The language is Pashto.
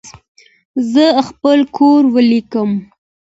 زه خپل کور ولیکم.